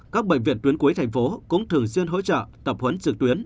các bệnh viện tuyến cuối tp hcm cũng thường xuyên hỗ trợ tập huấn trực tuyến